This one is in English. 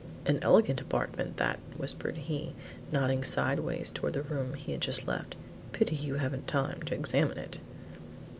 "An elegant apartment, that," whispered he, nodding sideways toward the room he had just left, "pity you haven't time to examine it."